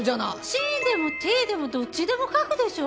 ＣでもＴでもどっちでも書くでしょ。